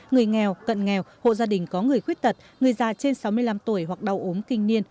người nghèo cận nghèo hộ gia đình có người khuyết tật người già trên sáu mươi năm tuổi hoặc đau ốm kinh niên